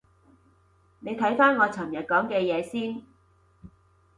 你睇返我尋日講嘅嘢先